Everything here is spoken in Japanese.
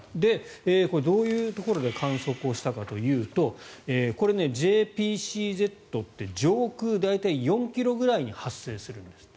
どういうところで観測をしたかというとＪＰＣＺって上空、大体４ｋｍぐらいに発生するんですって。